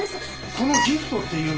このギフトっていうのは？